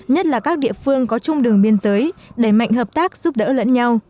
nhất là các địa phương có chung đường biên giới đẩy mạnh hợp tác giúp đỡ lẫn nhau